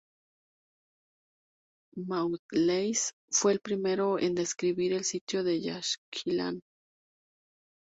Maudslay fue el primero en describir el sitio de Yaxchilán.